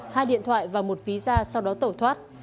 hai điện thoại và một ví da sau đó tẩu thoát